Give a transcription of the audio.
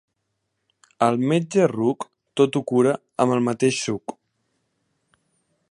El metge ruc tot ho cura amb el mateix suc.